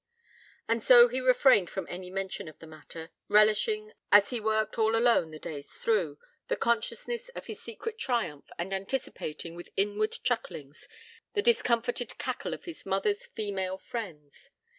And so he refrained from any mention of the matter; relishing, as he worked, all alone, the days through, the consciousness of his secret triumph, and anticipating, with inward chucklings, the discomforted cackle of his mother's female friends.